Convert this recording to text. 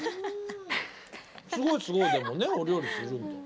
すごいすごいでもねお料理するんだ。